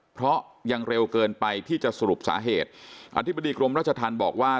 เพราะยังเร็วเกินไปที่จะสรุปสาเหตุอธิบดีกรมราชธรรมบอกว่า